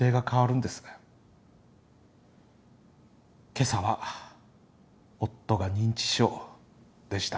今朝は「夫が認知症」でした。